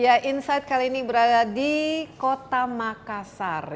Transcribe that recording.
ya insight kali ini berada di kota makassar